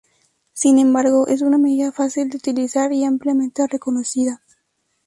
Sin embargo, es una medida fácil de utilizar y ampliamente reconocida.